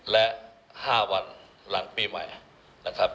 และ๕วันหลังปีใหม่นะครับ